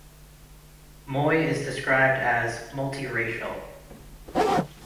Moy is described as "multiracial".